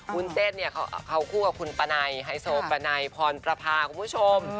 วุ้นเต้นเขาคู่กับคุณประนัยไฮโสประนัยพรประภาคุณผู้ชม